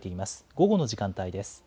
午後の時間帯です。